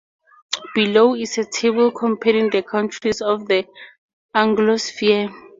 Below is a table comparing the countries of the Anglosphere.